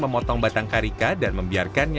memotong batang karika dan membiarkannya